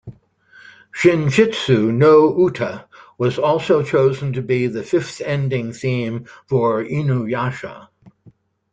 "Shinjitsu no Uta" was also chosen to be the fifth ending theme for "InuYasha".